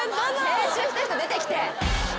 編集した人出てきて。